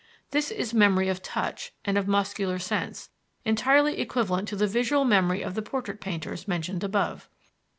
This is memory of touch and of the muscular sense, entirely equivalent to the visual memory of the portrait painters mentioned above.